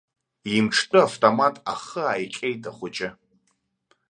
Имҿтәы автомат ахы ааиҟьеит ахәыҷы.